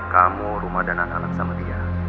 kamu rumah dan anak anak sama dia